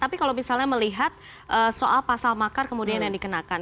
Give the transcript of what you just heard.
tapi kalau misalnya melihat soal pasal makar kemudian yang dikenakan